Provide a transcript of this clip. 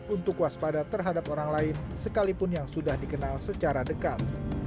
untuk waspada terhadap orang lain sekalipun yang sudah dikenal secara dekat